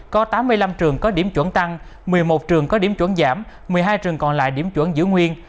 có tám mươi năm trường có điểm chuẩn tăng một mươi một trường có điểm chuẩn giảm một mươi hai trường còn lại điểm chuẩn giữ nguyên